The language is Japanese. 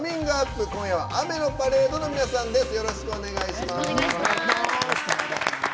今夜は雨のパレードの皆さんです。